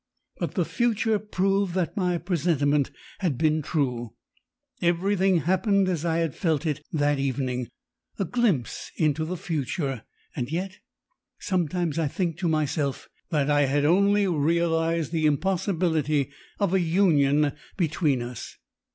But the future proved that my presentiment had been true. Everything happened as I had felt it that evening. A glimpse into the future! And yet! Sometimes I think to myself that I had only realised the impossibility of a union between us.